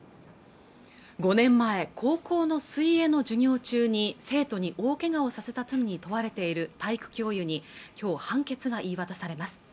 ５年前高校の水泳の授業中に生徒に大けがをさせた罪に問われている体育教諭にきょう判決が言い渡されます